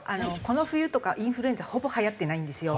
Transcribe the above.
この冬とかインフルエンザほぼはやってないんですよ。